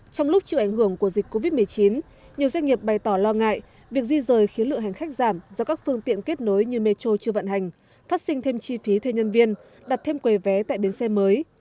trong lúc chịu ảnh hưởng của dịch covid một mươi chín nhiều doanh nghiệp bày tỏ lo ngại việc di rời khiến lượng hành khách giảm do các phương tiện kết nối như metro chưa vận hành phát sinh thêm chi phí thuê nhân viên đặt thêm quầy vé tại bến xe mới